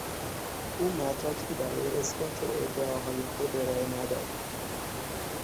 او مدرکی برای اثبات ادعاهای خود ارائه نداد.